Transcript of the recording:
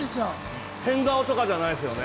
変顔とかじゃないですよね？